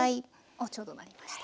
おっちょうどなりました。